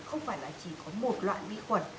không phải là chỉ có một loại vi khuẩn